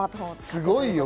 すごいよ。